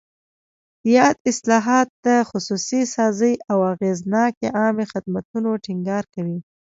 یاد اصلاحات د خصوصي سازۍ او اغېزناکو عامه خدمتونو ټینګار کوي.